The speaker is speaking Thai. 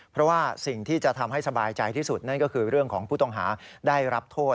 เพราะว่าสิ่งที่จะทำให้สบายใจที่สุดนั่นก็คือเรื่องของผู้ต้องหาได้รับโทษ